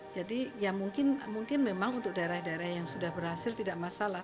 jadi ya mungkin memang untuk daerah daerah yang sudah berhasil tidak masalah